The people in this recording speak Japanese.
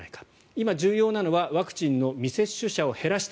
今、重要なのはワクチンの未接種者を減らして